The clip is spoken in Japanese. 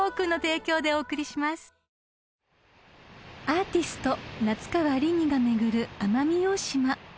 ［アーティスト夏川りみが巡る奄美大島］